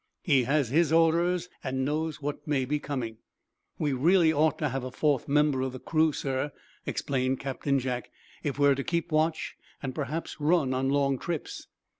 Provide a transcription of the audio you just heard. He has his orders, and knows what may be coming." "We really ought to have a fourth member of the crew, sir," explained Captain Jack, "if we're to keep watch and perhaps run on long trips."